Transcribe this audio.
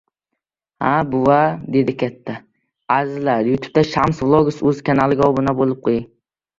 — Ha, bova? — dedi katta.